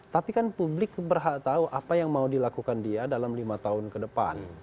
tapi kan publik berhak tahu apa yang mau dilakukan dia dalam lima tahun ke depan